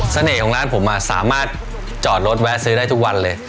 ของร้านผมสามารถจอดรถแวะซื้อได้ทุกวันเลย